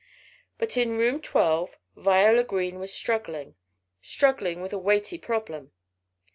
But in room twelve Viola Green was struggling struggling with a weighty problem.